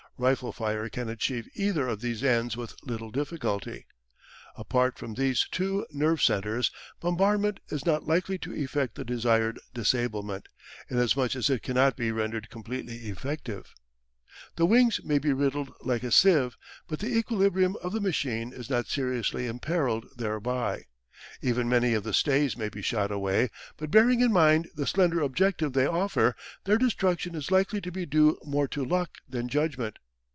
Rifle fire can achieve either of these ends with little difficulty. Apart from these two nerve centres, bombardment is not likely to effect the desired disablement, inasmuch as it cannot be rendered completely effective. The wings may be riddled like a sieve, but the equilibrium of the machine is not seriously imperilled thereby. Even many of the stays may be shot away, but bearing in mind the slender objective they offer, their destruction is likely to be due more to luck than judgment.